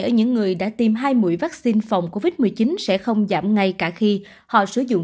ở những người đã tiêm hai mũi vaccine phòng covid một mươi chín sẽ không giảm ngay cả khi họ sử dụng